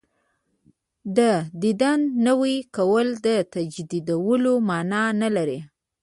د دین نوی کول د تجدیدولو معنا نه لري.